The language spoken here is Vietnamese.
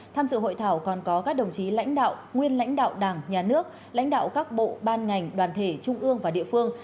tham dự hội thảo còn có các đồng chí lãnh đạo nguyên lãnh đạo đảng nhà nước lãnh đạo các bộ ban ngành đoàn thể trung ương và địa phương